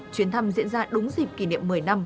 chuyến thăm diễn ra đúng dịp kỷ niệm một mươi năm